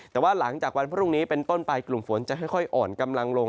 แต่ว่าหลังจากวันพรุ่งนี้เป็นต้นไปกลุ่มฝนจะค่อยอ่อนกำลังลง